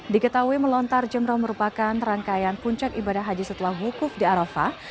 diketahui melontar jumroh merupakan rangkaian puncak ibadah haji setelah wukuf di arafah